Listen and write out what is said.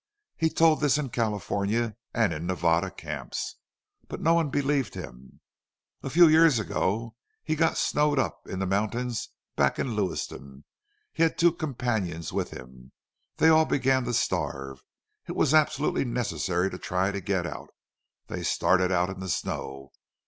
He told this in California, and in Nevada camps. But no one believed him. A few years ago he got snowed up in the mountains back of Lewiston. He had two companions with him. They all began to starve. It was absolutely necessary to try to get out. They started out in the snow.